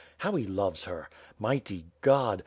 How he loves her! Mighty God